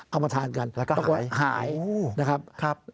เอามาทานกันแล้วก็หายนะครับ